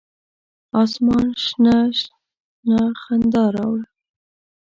اسمان شنه، شنه خندا راوړه